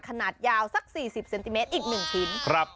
ขนาดยาวสัก๔๐เซนติเมตรอีก๑ชิ้น